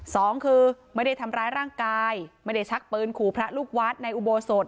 สองคือไม่ได้ทำร้ายร่างกายไม่ได้ชักปืนขู่พระลูกวัดในอุโบสถ